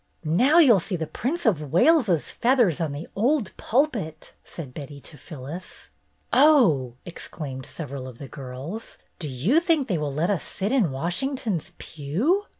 "Now you 'll see the Prince of Wales's feath ers on the old pulpit," said Betty to Phyllis. "Oh!" exclaimed several of the girls, "do you think they will let us sit in Washington's pew?"